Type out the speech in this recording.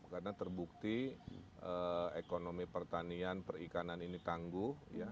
karena terbukti ekonomi pertanian perikanan ini tangguh